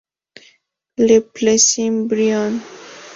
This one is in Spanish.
Le Plessis-Brion